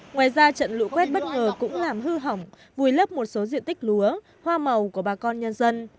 ngoài ra trận lũ quét bất ngờ cũng làm hư hỏng vùi lấp một số diện tích lúa hoa màu của bà con nhân dân